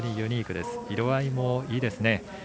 色合いもいいですね。